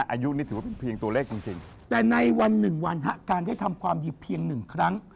อายุนี่ถือว่าเป็นเพียงตัวเลขจริงแต่ในวันหนึ่งวันฮะการได้ทำความดีเพียงหนึ่งครั้ง